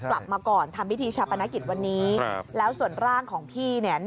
กลับมาก่อนทำพิธีชาปนกิจวันนี้แล้วส่วนร่างของพี่เนี่ย